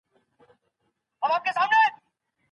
ولي لېواله انسان د تکړه سړي په پرتله بریا خپلوي؟